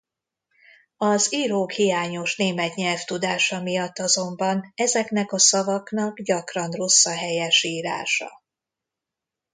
Az írók hiányos német nyelvtudása miatt azonban ezeknek a szavaknak gyakran rossz a helyesírása.